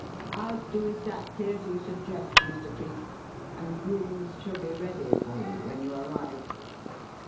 "I'll do exactly as you suggest, Mr. Cleek, and rooms shall be ready for you when you arrive."